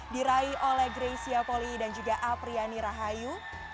diraih oleh gray siapoli dan juga apriyani rahayu